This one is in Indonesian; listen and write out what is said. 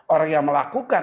orang yang melakukan